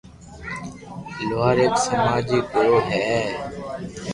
"لوهار"" هڪ سماجي گروه ھي"